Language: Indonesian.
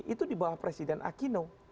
itu di bawah presiden akino